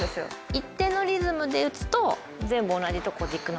一定のリズムで打つと全部同じとこにいくので。